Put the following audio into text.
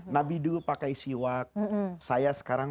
nabi dulu pakai siwak saya sekarang